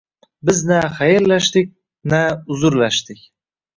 Biz na xayrlashdik, na uzrlashdik…